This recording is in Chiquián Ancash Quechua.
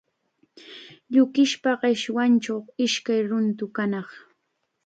Yukispa qishunchaw ishkay ruru kanaq.